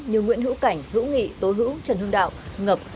như nguyễn hữu cảnh hữu nghị tối hữu trần hương đạo ngập